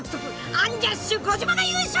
アンジャッシュ児嶋が優勝。